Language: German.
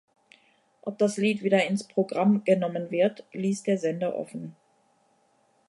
Ob das Lied wieder ins Programm genommen wird, ließ der Sender offen.